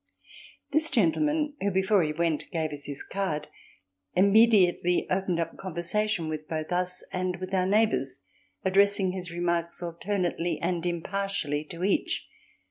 This gentleman, who before he went gave us his card, immediately opened up conversation both with us and with our neighbours, addressing his remarks alternately and impartially to each.